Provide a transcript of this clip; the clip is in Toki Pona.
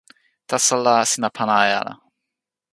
taso la, sina pana e ala.